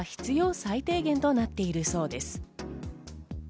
最低限となっているそうです。